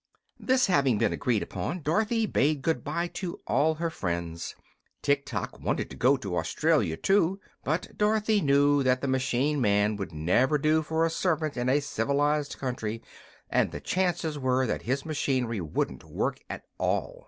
This having been agreed upon, Dorothy bade good bye to all her friends. Tiktok wanted to go to Australia; too, but Dorothy knew that the machine man would never do for a servant in a civilized country, and the chances were that his machinery wouldn't work at all.